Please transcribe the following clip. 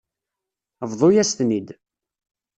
Bḍu-yas-ten-id.